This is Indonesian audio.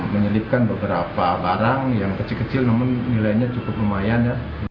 menyelipkan beberapa barang yang kecil kecil namun nilainya cukup lumayan ya